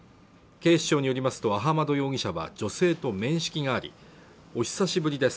警視庁によりますとアハマド容疑者は女性と面識がありお久しぶりです